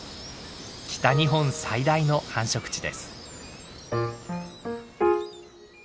北日本最大の繁殖地です。